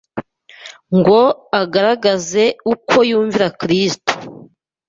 '» ngo agaragaze uko yumvira Kristo.